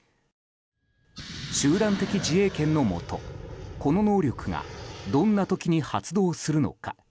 集団的自衛権のもとこの能力がどんな時に発動するのか。